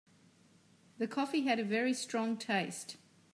The coffee had a very strong taste.